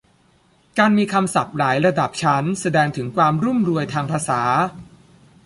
การมีคำศัพท์หลายระดับชั้น แสดงถึงความรุ่มรวยทางภาษา